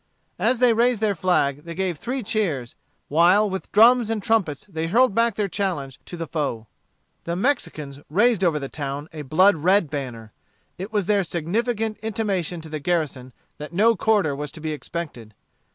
As they raised their flag, they gave three cheers, while with drums and trumpets they hurled back their challenge to the foe. The Mexicans raised over the town a blood red banner. It was their significant intimation to the garrison that no quarter was to be expected.